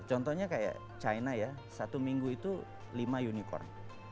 contohnya kayak china ya satu minggu itu lima unicorn